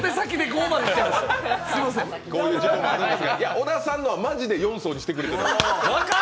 小田さんのはマジで４層にしてくれてたの。